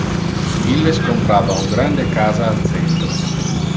Illes comprava un grande casa al centro.